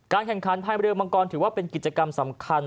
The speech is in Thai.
แข่งขันภายเรือมังกรถือว่าเป็นกิจกรรมสำคัญ